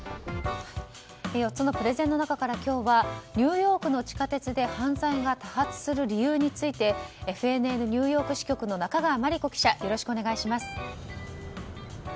４つのプレゼンの中から今日はニューヨークの地下鉄で犯罪が多発する理由についてＦＮＮニューヨーク支局の中川真理子記者よろしくお願いします。